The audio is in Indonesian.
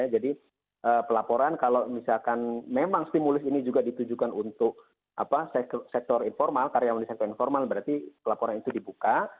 jadi pelaporan kalau misalkan memang stimulus ini juga ditujukan untuk sektor informal karyawan di sektor informal berarti pelaporan itu dibuka